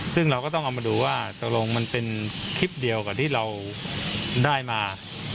ซึ่งเราก็ต้องเอามาดูว่าตกลงมันเป็นคลิปเดียวกับที่เราได้มา